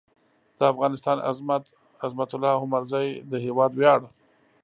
د افغانستان عظمت؛ عظمت الله عمرزی د هېواد وېاړ